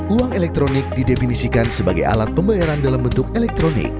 uang elektronik didefinisikan sebagai alat pembayaran dalam bentuk elektronik